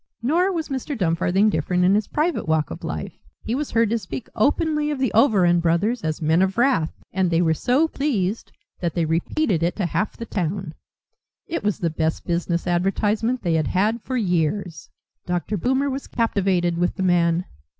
Nor was Mr. Dumfarthing different in his private walk of life. He was heard to speak openly of the Overend brothers as "men of wrath," and they were so pleased that they repeated it to half the town. It was the best business advertisement they had had for years. Dr. Boomer was captivated with the man.